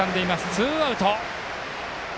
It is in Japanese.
ツーアウト。